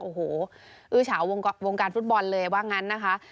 โอ้โหอื้อเฉาวงการฟุตบอลเลยว่างั้นนะคะ